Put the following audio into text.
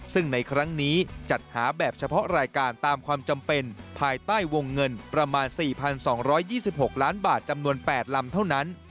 ซึ่งในครั้งนี้จัดหาแบบเฉพาะรายการตามความจำเป็นภายใต้วงเงินประมาณ๔๒๒๖ล้านบาทจำนวน๘ลำเท่านั้น